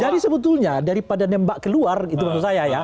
jadi sebetulnya daripada nembak keluar itu maksud saya ya